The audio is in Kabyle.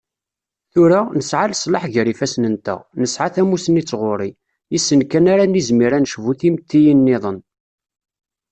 Tura, nesεa leslaḥ gar yifassen-nteɣ, nesεa tamussni d tɣuri, yis-sen kan ara nizmir ad necbu timettiyin-nniḍen.